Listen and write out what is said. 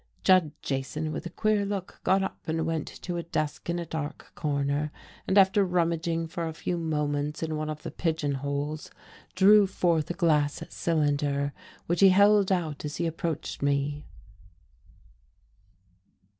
Judd Jason, with a queer look, got up and went to a desk in a dark corner, and after rummaging for a few moments in one of the pigeon holes, drew forth a glass cylinder, which he held out as he approached me.